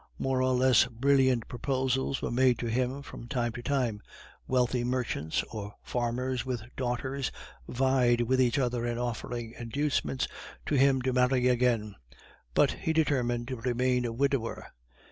More or less brilliant proposals were made to him from time to time; wealthy merchants or farmers with daughters vied with each other in offering inducements to him to marry again; but he determined to remain a widower.